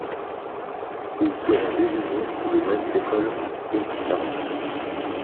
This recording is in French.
Ils seront désignés sous le nom d’École franco-flamande.